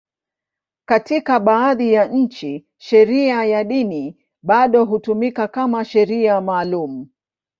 Katika baadhi ya nchi, sheria ya dini bado hutumika kama sheria maalum.